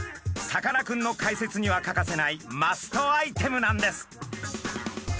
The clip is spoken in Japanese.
さかなクンの解説には欠かせないマストアイテムなんです。